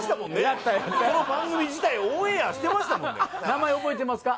やったやった番組自体をオンエアしてましたもんね名前覚えてますか？